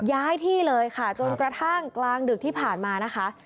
ย้ายที่เลยค่ะจนกระทั่งกลางดึกที่ผ่านมานะคะ